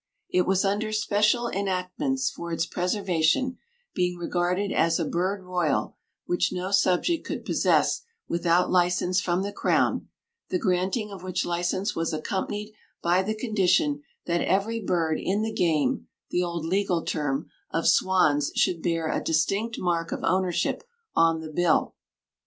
It was under special enactments for its preservation, being regarded as a "bird royal," which no subject could possess without license from the crown, the granting of which license was accompanied by the condition that every bird in the "game," the old legal term, of swans should bear a distinct mark of ownership on the bill.